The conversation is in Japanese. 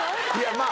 まあ